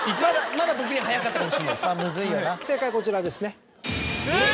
正解はこちらですね。